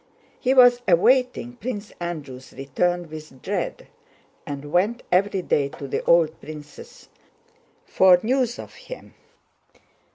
He was awaiting Prince Andrew's return with dread and went every day to the old prince's for news of him.